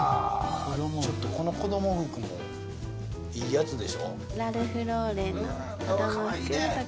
ちょっとこの子ども服もいいやつでしょ？